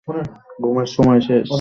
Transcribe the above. ঘুমের সময় শেষ।